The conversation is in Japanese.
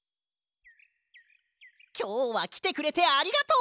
きょうはきてくれてありがとう！